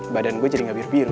badan gue jadi gak biar biru